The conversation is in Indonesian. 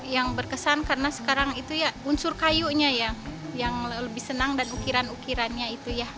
yang berkesan karena sekarang itu ya unsur kayunya yang lebih senang dan ukiran ukirannya itu ya